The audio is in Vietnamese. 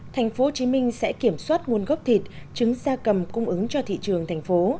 thành phố hồ chí minh sẽ kiểm soát nguồn gốc thịt trứng gia cầm cung ứng cho thị trường thành phố